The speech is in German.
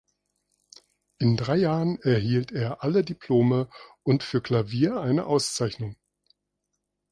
In drei Jahren erhielt er alle Diplome und für Klavier eine Auszeichnung.